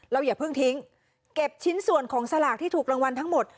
อย่าเพิ่งทิ้งเก็บชิ้นส่วนของสลากที่ถูกรางวัลทั้งหมด